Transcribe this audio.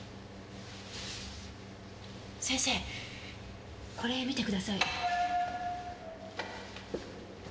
先生これ見てください。